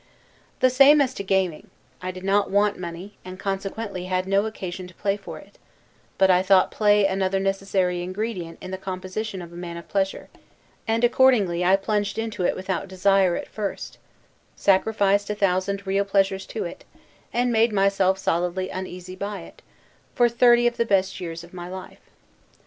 The same as to gaming. I did not want money, and consequently had no occasion to play for it; but I thought play another necessary ingredient in the composition of a man of pleasure, and accordingly I plunged into it without desire, at first; sacrificed a thousand real pleasures to it; and made myself solidly uneasy by it, for thirty the best years of my life.